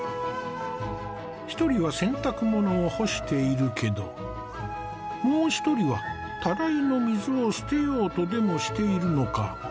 １人は洗濯物を干しているけどもう一人はたらいの水を捨てようとでもしているのか。